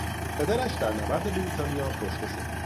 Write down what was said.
پدرش در نبرد بریتانیا کشته شد.